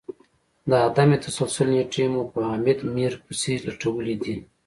د عدم تسلسل نیټې مو په حامد میر پسي لټولې دي